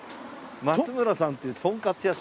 松村さんっていうとんかつ屋さんに。